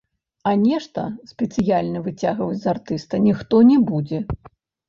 А нешта спецыяльна выцягваць з артыста ніхто не будзе.